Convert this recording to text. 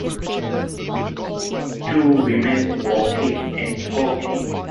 Two women walking and talking.